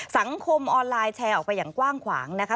สังคมออนไลน์แชร์ออกไปอย่างกว้างขวางนะคะ